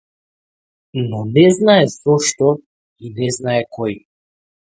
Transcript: Но не знае зошто, и не знае кој.